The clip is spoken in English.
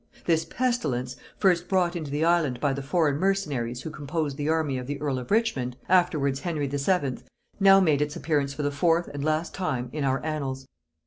This pestilence, first brought into the island by the foreign mercenaries who composed the army of the earl of Richmond, afterwards Henry VII., now made its appearance for the fourth and last time in our annals.